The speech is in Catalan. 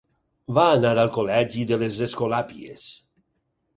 Va anar al col·legi de les Escolàpies.